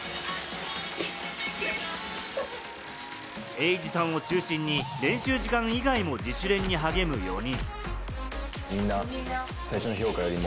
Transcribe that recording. エイジさんを中心に練習時間以外も自主練に励む４人。